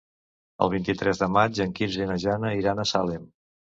El vint-i-tres de maig en Quirze i na Jana iran a Salem.